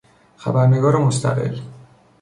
خبرنگار مستقل